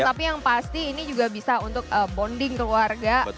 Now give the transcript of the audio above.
tapi yang pasti ini juga bisa untuk bonding keluarga